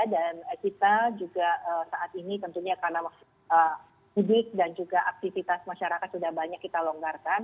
dan kita juga saat ini tentunya karena covid sembilan belas dan juga aktivitas masyarakat sudah banyak kita longgarkan